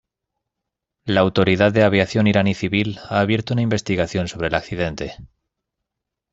La Autoridad de Aviación Iraní Civil ha abierto una investigación sobre el accidente.